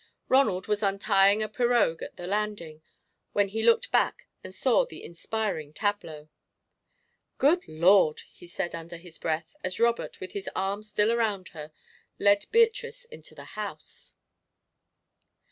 Ronald was untying a pirogue at the landing, when he looked back and saw the inspiring tableau. "Good Lord!" he said, under his breath, as Robert, with his arm still around her, led Beatrice into the house.